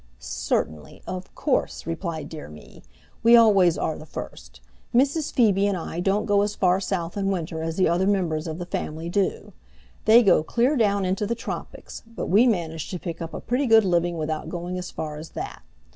"Certainly. Of course," replied Dear Me. "We always are the first. Mrs. Phoebe and I don't go as far south in winter as the other members of the family do. They go clear down into the Tropics, but we manage to pick up a pretty good living without going as far as that.